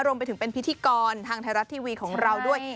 รวมไปถึงเป็นพิธีกรทางไทยรัฐทีวีของเราด้วย